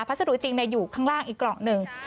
สดุจริงอยู่ข้างล่างอีกกล่องหนึ่ง